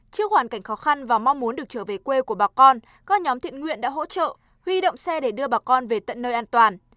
trước hoàn cảnh khó khăn và mong muốn được trở về quê của bà con các nhóm thiện nguyện đã hỗ trợ huy động xe để đưa bà con về tận nơi an toàn